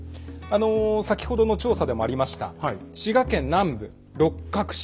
先ほどの調査でもありました滋賀県南部六角氏。